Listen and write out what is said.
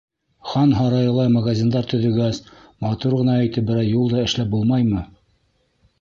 Хан һарайылай магазиндар төҙөгәс, матур ғына итеп берәй юл да эшләп булмаймы?